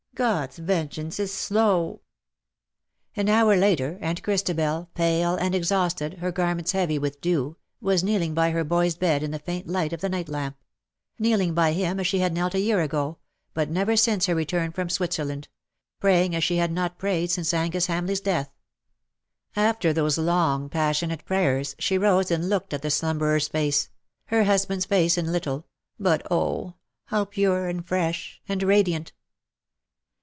'' God's vengeance is slow/' An hour later, and Christabel, pale and exhausted, her garments heavy with dew, was kneeling by her boy's bed in the faint light of the night lamp ; kneeling by him as she had knelt a year ago, but never since her return from Switzerland — praying as she had not prayed since Angus Hamleigh's death. After those long, passionate prayers, she rose and looked at the slumberer's face — her hus band's face in little — but oh ! how pure and fresh and radiant.